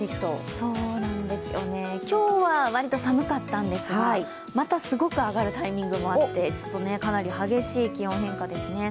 そうなんですよね、今日は割と寒かったんですが、またすごく上がるタイミングもあってちょっとかなり激しい気温変化ですね。